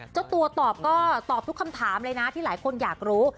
เจ้าตัวตอบก็ตอบทุกคำถามเลยนะที่หลายคนอยากรู้